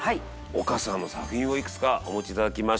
丘さんの作品をいくつかお持ち頂きました。